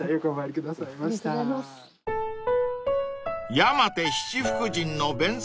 ［山手七福神の辯才